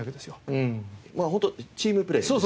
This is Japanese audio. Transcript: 本当チームプレーですよね。